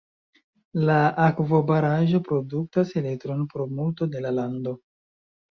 La akvobaraĵo produktas elektron por multo de la lando.